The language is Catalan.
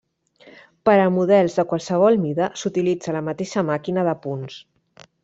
Per a models de qualsevol mida, s'utilitza la mateixa màquina de punts.